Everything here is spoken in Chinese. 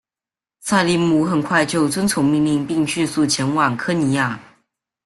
塞利姆很快就遵从命令并迅速前往科尼亚。